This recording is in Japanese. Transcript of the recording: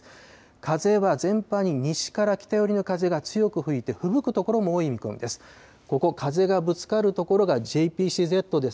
風は全般に西から北寄りの風が強く吹いて、ふぶく所も多い見込みです。